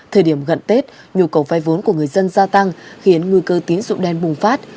thời điểm gần tết nhu cầu vai vốn của người dân gia tăng khiến nguy cơ tín dụng đen bùng phát